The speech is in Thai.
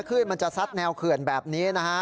ขึ้นมันจะซัดแนวเขื่อนแบบนี้นะฮะ